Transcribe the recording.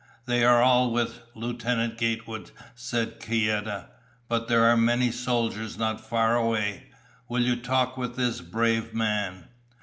"They are all with Lieutenant Gatewood," said Kieta. "But there are many soldiers not far away. Will you talk with this brave man?"